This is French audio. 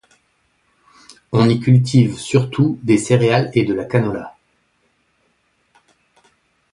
On y cultive surtout des céréales et de la canola.